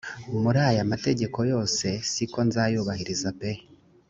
muri aya mategeko yose siko nzayakurikiza pe